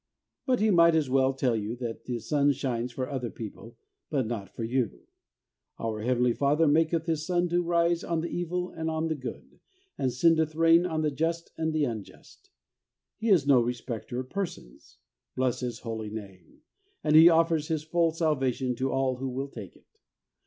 But he might as well tell you that the sun shines for other people, but not for you ! Our Heavenly Father ' maketh His sun to rise on the evil and on the good, and sendeth rain on the just and on the unjust.' He is no respecter of persons. Bless His holy name ! And He offers His full Salvation to all who will take it.